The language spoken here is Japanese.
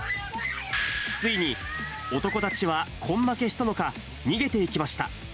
ついに男たちは根負けしたのか、逃げていきました。